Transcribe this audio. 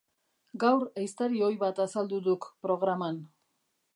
Gaur ehiztari ohi bat azaldu duk programan.